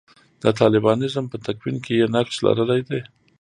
د طالبانیزم په تکوین کې یې نقش لرلی دی.